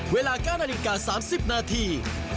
เวลาก้านอนิกา๓๐นาที